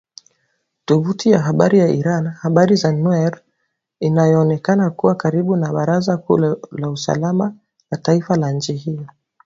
Tovuti ya habari ya Iran, Habari za Neur inayoonekana kuwa karibu na baraza kuu la usalama la taifa la nchi hiyo.